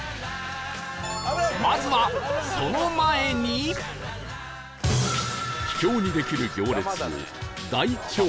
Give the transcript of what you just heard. まずは秘境にできる行列を大調査